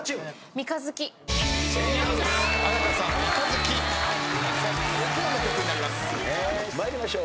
『三日月』参りましょう。